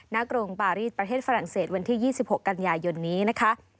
กรุงปารีสประเทศฝรั่งเศสวันที่๒๖กันยายนนี้นะคะ